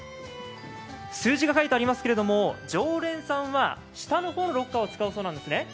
数字が書いてありますけれども常連さんは下の方のロッカーを使うそうなんですね。